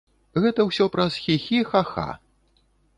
Гэта ўсё праз хі-хі, ха-ха.